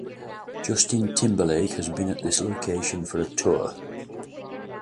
Justin Timberlake has been at this location for a tour.